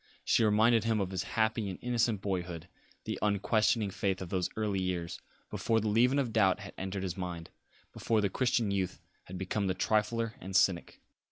She reminded him of his happy and innocent boyhood, the unquestioning faith of those early years, before the leaven of doubt had entered his mind, before the Christian youth had become the trifler and cynic.